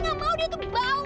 nggak mau dia tuh bau